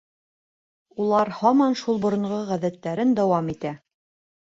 Улар һаман шулай боронғо ғәҙәттәрен дауам итә.